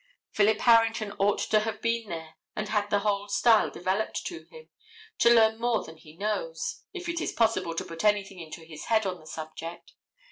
Philip Harrington ought to have been there and had the whole style developed to him, to learn more than he knows, if it is possible to put anything into his head on the subject.